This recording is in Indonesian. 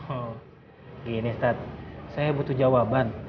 oh gini ustadz saya butuh jawaban